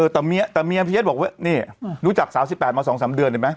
แต่เนี้ยมินะเฮ้ยบอกว่านี่แล้วนู้จักสาวสิบแปดมาสองสามเดือน